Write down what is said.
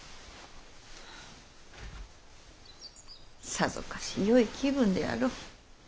さぞかしよい気分であろう。